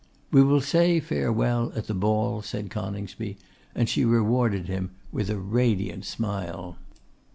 'We will say farewell at the ball,' said Coningsby, and she rewarded him with a radiant smile.